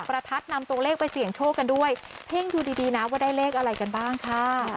ประทัดนำตัวเลขไปเสี่ยงโชคกันด้วยเพ่งดูดีดีนะว่าได้เลขอะไรกันบ้างค่ะ